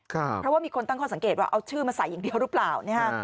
เพราะว่ามีคนตั้งข้อสังเกตว่าเอาชื่อมาใส่อย่างเดียวหรือเปล่านะฮะ